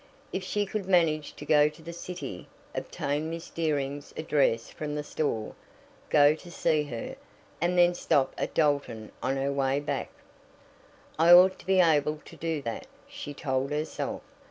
If she could manage to go to the city, obtain Miss Dearing's address from the store, go to see her, and then stop at Dalton on her way back " "I ought to be able to do that," she told herself.